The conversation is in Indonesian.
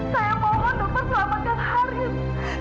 saya mohon dokter selamatkan haris